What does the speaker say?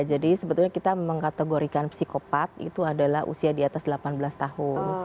jadi sebetulnya kita mengkategorikan psikopat itu adalah usia di atas delapan belas tahun